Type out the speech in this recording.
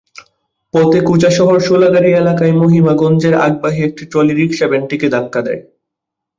পথে কোচাশহর শোলাগাড়ি এলাকায় মহিমাগঞ্জের আখবাহী একটি ট্রলি রিকশাভ্যানটিকে ধাক্কা দেয়।